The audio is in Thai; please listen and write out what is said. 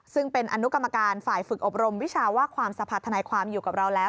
ซึ่งเป็นอนุกรรมการฝ่ายฝึกอบรมวิชาว่าความสภาธนายความอยู่กับเราแล้ว